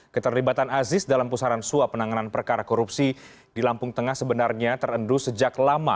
keterlibatan aziz dalam pusaran suap penanganan perkara korupsi di lampung tengah sebenarnya terendus sejak lama